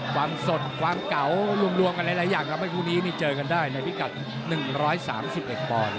ความสดความเก่ารวมกันหลายอย่างทำให้คู่นี้นี่เจอกันได้ในพิกัด๑๓๑ปอนด์